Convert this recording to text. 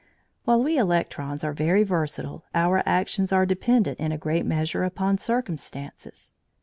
While we electrons are very versatile, our actions are dependent in a great measure upon circumstances.